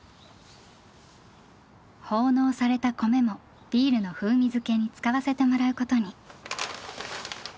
奉納された米もビールの風味付けに使わせてもらうことに。